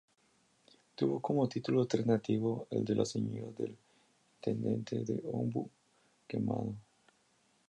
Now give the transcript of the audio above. Tuvo como título alternativo el de La señora del intendente de Ombú quemado.